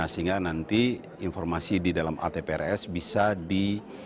sehingga nanti informasi di dalam atprs bisa di